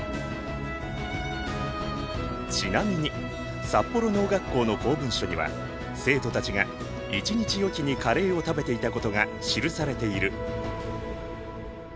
ちなみに札幌農学校の公文書には生徒たちが１日おきにカレーを食べていたことが記されている。